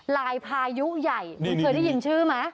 ลายพายุใหญ่คุณเคยได้ยินชื่อไหม